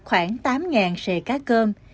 khoảng tám sề cá cơm